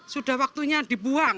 sudah waktunya dibuang